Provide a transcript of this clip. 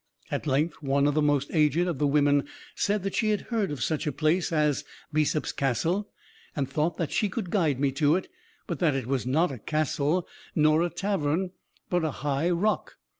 At length one of the most aged of the women said that she had heard of such a place as Bessop's Castle, and thought that she could guide me to it, but that it was not a castle, nor a tavern, but a high rock.